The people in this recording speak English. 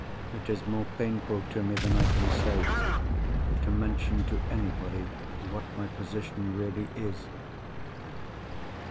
It is more painful to me than I can say, to mention to anybody what my position really is."